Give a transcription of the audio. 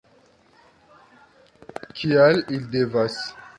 Kial ili devas?